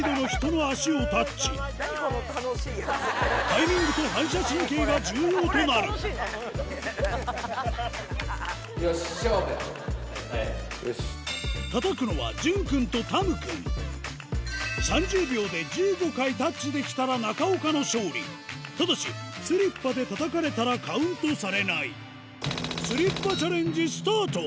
タイミングと反射神経が重要となる叩くのは３０秒で１５回タッチできたら中岡の勝利ただしスリッパで叩かれたらカウントされない・用意スタート！